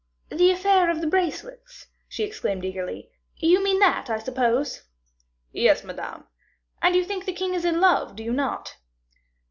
"The affair of the bracelets," she exclaimed, eagerly, "you mean that, I suppose?" "Yes, Madame." "And you think the king is in love; do you not?"